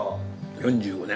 ４５年。